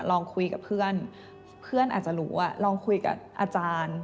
ลองคุยกับเพื่อนเพื่อนอาจจะรู้ว่าลองคุยกับอาจารย์